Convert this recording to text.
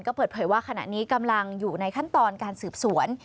ก็เปิดเผยว่าขณะนี้กำลังอยู่ในขั้นตอนการสืบสวน